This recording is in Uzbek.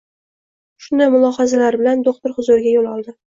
Shunday mulohazalar bilan doʻxtir huzuriga yoʻl oldi